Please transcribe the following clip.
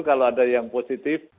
kalau ada yang positif